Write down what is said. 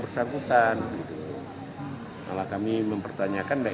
direktur lpsk pak jokowi mengatakan ini perlu perlindungan lpsk atau tidak